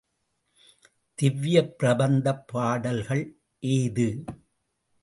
திவ்யப் பிரபந்தப் பாடல்கள் ஏது?